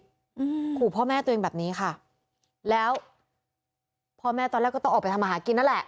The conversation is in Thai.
อืมขู่พ่อแม่ตัวเองแบบนี้ค่ะแล้วพ่อแม่ตอนแรกก็ต้องออกไปทำอาหารกินนั่นแหละ